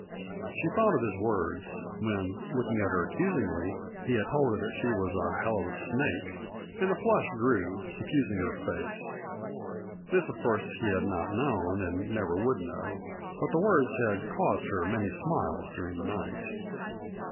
She thought of his words, when, looking at her accusingly, he had told her that she was "a hell of a snake," and the flush grew, suffusing her face. This of course he had not known and never would know, but the words had caused her many smiles during the night.